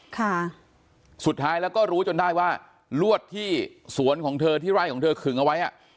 ค่ะสุดท้ายแล้วก็รู้จนได้ว่าลวดที่สวนของเธอที่ไร่ของเธอขึงเอาไว้อ่ะ